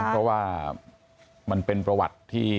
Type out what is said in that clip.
เพราะว่ามันเป็นประวัติที่